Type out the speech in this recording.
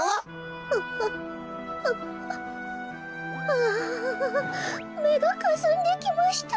あめがかすんできました。